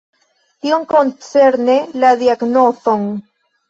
Tiom koncerne la diagnozon.